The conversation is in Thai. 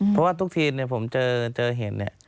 เพราะว่าทุกทีผมเจอเหตุ